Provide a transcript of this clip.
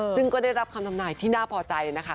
ซึ่งก็ได้รับคำทำนายที่น่าพอใจนะคะ